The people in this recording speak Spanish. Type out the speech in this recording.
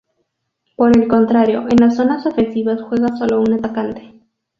Por el contrario, en las zonas ofensivas juega solo un atacante.